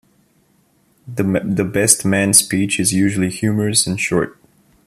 The best man speech is usually humorous and short.